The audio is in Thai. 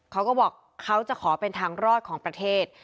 เขาก็บอกเขาจะขอเป็นทางรอดของประเทศ